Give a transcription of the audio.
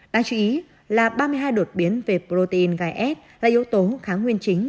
đáng chú ý là ba mươi hai đột biến về protein gai s là yếu tố kháng nguyên chính